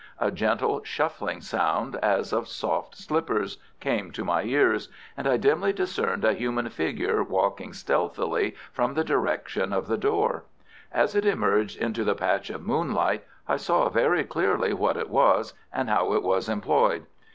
A gentle, shuffling sound, as of soft slippers, came to my ears, and I dimly discerned a human figure walking stealthily from the direction of the door. As it emerged into the patch of moonlight I saw very clearly what it was and how it was employed.